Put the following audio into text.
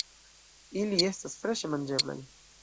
Ili estas freŝe manĝeblaj.